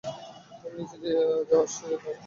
আমি নিচে নিয়ে আসছি যাও, ঠিক আছে?